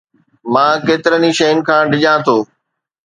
مان ڪيترن ئي شين کان ڊڄان ٿو